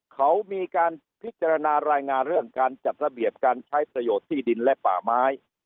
เขามีการพิจารณารายงานเรื่องการจัดระเบียบการใช้ประโยชน์ที่ดินและป่าไม้